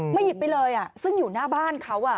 หยิบไปเลยซึ่งอยู่หน้าบ้านเขา